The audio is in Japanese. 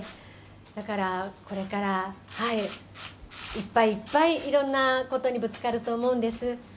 「だからこれからいっぱいいっぱい色んな事にぶつかると思うんです」